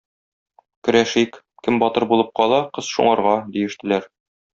Көрәшик, кем батыр булып кала, кыз шуңарга, - диештеләр.